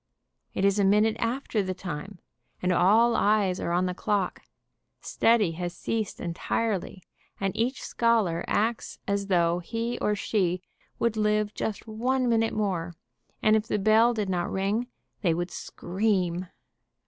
It is a minute after the time, and all eyes are on the clock, study has ceased entirely, and each scholar acts as though he or she would live just one minute more, and if the bell did not ring, they would scream.